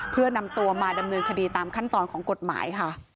เพื่อนำตัวมาดำเนินคดีตามขั้นตอนของกฎหมายค่ะ